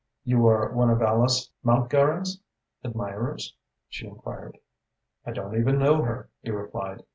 "You are one of Alice Mountgarron's admirers?" she enquired. "I don't even know her," he replied.